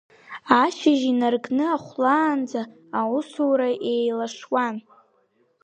Ашьыжь инаркны аахәлаанӡа аусура еилашуан.